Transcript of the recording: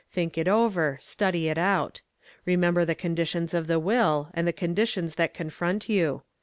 Think it over, study it out. Remember the conditions of the will and the conditions that confront you.